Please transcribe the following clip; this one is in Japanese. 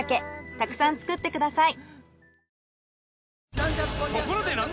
たくさん作ってください。